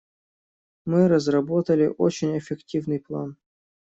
Мы разработали очень эффективный план.